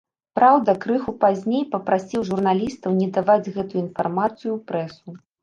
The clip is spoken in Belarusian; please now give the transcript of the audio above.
Праўда, крыху пазней папрасіў журналістаў не даваць гэтую інфармацыю ў прэсу.